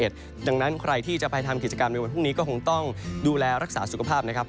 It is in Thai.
ดังนั้นใครที่จะไปทำกิจกรรมในวันพรุ่งนี้ก็คงต้องดูแลรักษาสุขภาพนะครับ